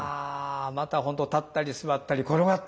また本当立ったり座ったり転がったりという。